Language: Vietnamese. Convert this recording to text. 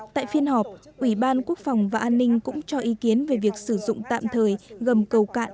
tại phiên họp ủy ban quốc phòng và an ninh cũng cho ý kiến về việc sử dụng tạm thời gầm cầu cạn